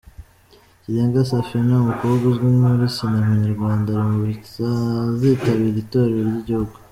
Kirenga Safina umukobwa uzwi muri Sinema nyarwanda ari mu bazitabira itorero ry'igihugu.